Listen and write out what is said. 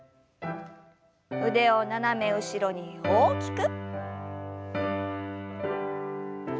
腕を斜め後ろに大きく。